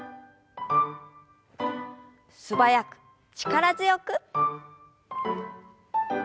素早く力強く。